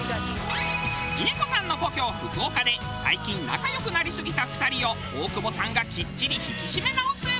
峰子さんの故郷福岡で最近仲良くなりすぎた２人を大久保さんがきっちり引き締め直す！